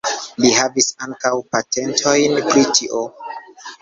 Li havis ankaŭ patentojn pri tio.